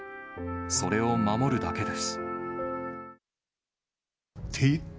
それを守るだけです。